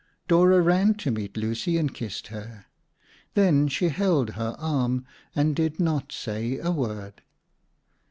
Dora ran to meet Lucy and kissed her. Then she held her arm and did not say a word.